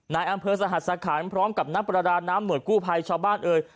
ในอำเภอสหัสสะขันพร้อมกับนักประดาน้ำหน่วยกู้ภัยชาวบ้านเอ่ย